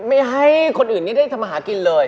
ไม่ให้คนอื่นนี้ได้ทำมาหากินเลย